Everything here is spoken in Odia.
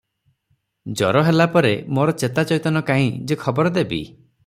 ଜର ହେଲା ପରେ ମୋର ଚେତା ଚଇତନ କାଇଁ ଯେ ଖବର ଦେବି?